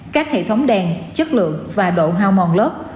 các hệ thống đèn chất lượng và độ hao mòn lớp